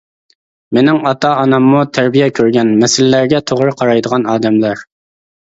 مىنىڭ ئاتا-ئاناممۇ تەربىيە كۆرگەن، مەسىلىلەرگە توغرا قارايدىغان ئادەملەر.